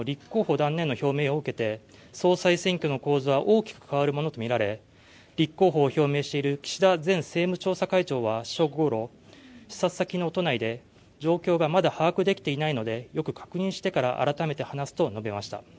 断念の表明を受けて総裁選挙の構図は大きく変わるものと見られ立候補を表明している岸田前政務調査会長は正午ごろ、視察先の都内で状況がまだ把握できていないのでよく確認してから改めて話すと述べました。